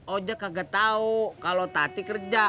ojek gak tau kalo tati kerja